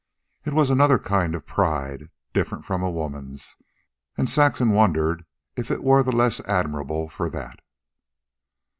It was another kind of pride, different from a woman's, and Saxon wondered if it were the less admirable for that.